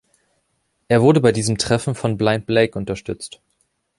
Er wurde bei diesem Treffen von Blind Blake unterstützt.